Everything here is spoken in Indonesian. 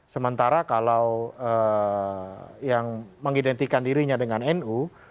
sementara kalau yang mengidentikan dirinya dengan nu